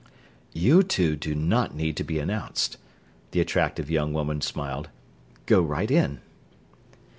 "You two do not need to be announced," the attractive young woman smiled. "Go right in."